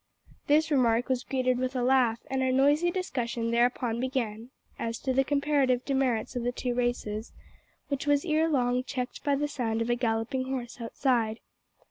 This remark was greeted with a laugh, and a noisy discussion thereupon began as to the comparative demerits of the two races, which was ere long checked by the sound of a galloping horse outside.